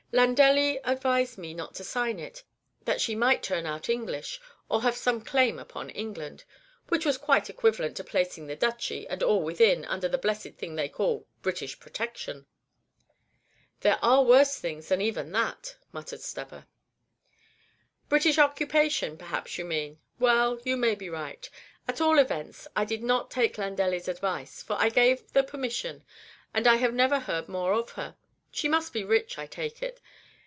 Landelli advised me not to sign it, that she might turn out English, or have some claim upon England, which was quite equivalent to placing the Duchy, and all within it, under that blessed thing they call British protection." "There are worse things than even that," muttered Stubber. "British occupation, perhaps you mean; well, you may be right. At all events, I did not take Landelli's advice, for I gave the permission, and I have never heard more of her. She must be rich, I take it.